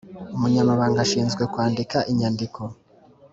Umunyamabanga ashinzwe kwandika inyandiko